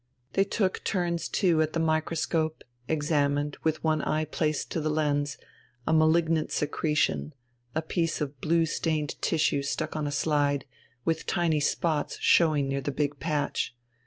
They took turns too at the microscope, examined, with one eye placed to the lens, a malignant secretion, a piece of blue stained tissue stuck on a slide, with tiny spots showing near the big patch.